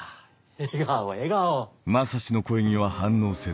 笑顔笑顔！